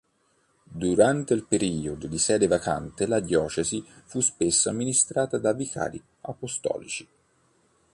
Durante il periodo di sede vacante la diocesi fu spesso amministrata da vicari apostolici.